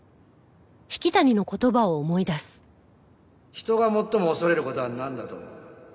人が最も恐れる事はなんだと思う？